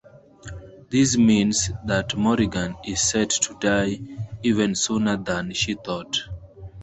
This means that Morrigan is set to die even sooner than she thought.